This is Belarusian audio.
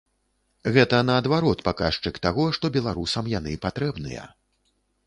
Гэта, наадварот, паказчык таго, што беларусам яны патрэбныя.